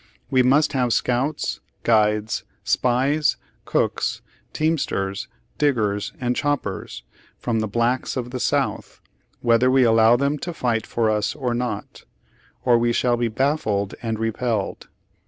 We must have scouts, guides, spies, cooks, teamsters, diggers, and choppers, from the Blacks of the South — whether we allow them to fight for us or not — or we shall be baffled and repelled.